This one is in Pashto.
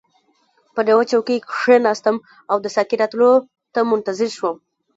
پر یوه چوکۍ کښیناستم او د ساقي راتلو ته منتظر شوم.